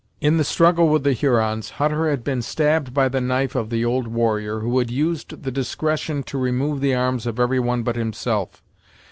In the struggle with the Hurons, Hutter had been stabbed by the knife of the old warrior, who had used the discretion to remove the arms of every one but himself.